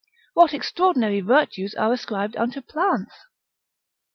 What extraordinary virtues are ascribed unto plants?